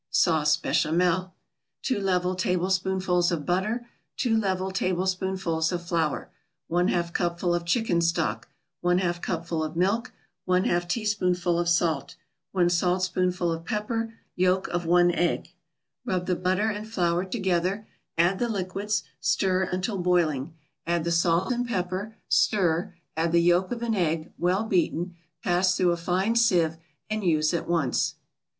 SAUCE BECHAMEL 2 level tablespoonfuls of butter 2 level tablespoonfuls of flour 1/2 cupful of chicken stock 1/2 cupful of milk 1/2 teaspoonful of salt 1 saltspoonful of pepper Yolk of one egg Rub the butter and flour together, add the liquids, stir until boiling, add the salt and pepper, stir, add the yolk of an egg, well beaten, pass through a fine sieve, and use at once.